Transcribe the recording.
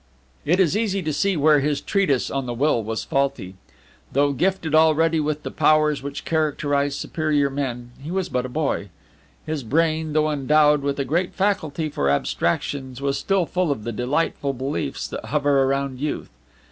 It is easy to see where his Treatise on the Will was faulty. Though gifted already with the powers which characterize superior men, he was but a boy. His brain, though endowed with a great faculty for abstractions, was still full of the delightful beliefs that hover around youth.